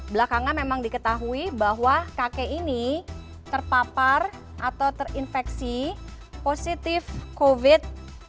belakangan memang diketahui bahwa kakek ini terpapar atau terinfeksi positif covid sembilan belas